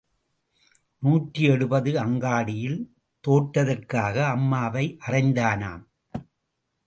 நூற்றி எழுபது அங்காடியில் தோற்றதற்காக அம்மாவை அறைந்தானாம்.